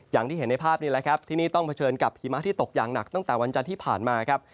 อย่างที่เห็นในภาพนี้แหละครับที่นี่ต้องเผชิญกับหิมะที่ตกอย่างหนักตั้งแต่วันจันทร์ที่ผ่านมาครับ